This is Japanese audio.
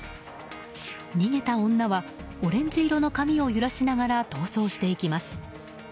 逃げた女はオンレジ色の髪を揺らしながら逃走していきます。